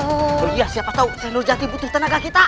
oh iya siapa tau seh nurjati butuh tenaga kita